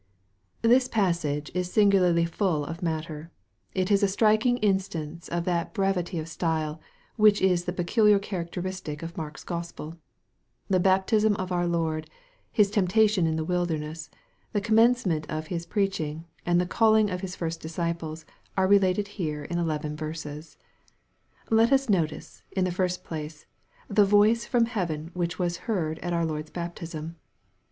THIS passage is singularly full of matter. It is a strik ing instance of that brevity of style, which is the pecu liar characteristic of Mark's Gospel. The baptism of our Lord, His temptation in the wilderness, the commence ment of his preaching, and the calling of His first disci ples are related here in eleven verses. Let us notice, in the first place, the voice from heaven which was heard at our Lord's baptism.